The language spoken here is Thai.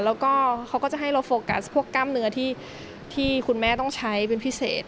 แล้วก็เขาก็จะให้เราโฟกัสพวกกล้ามเนื้อที่คุณแม่ต้องใช้เป็นพิเศษ